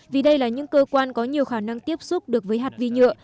vì đây là những cơ quan có nhiều khả năng tiếp xúc được với hạt vi nhựa